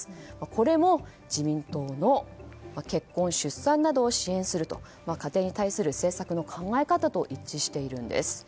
これも自民党の結婚・出産などを支援すると家庭に対する政策の考え方と一致しているんです。